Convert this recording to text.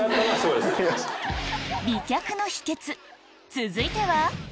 美脚の秘訣続いては？